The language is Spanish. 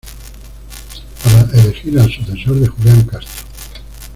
Para elegir al sucesor de Julián Castro.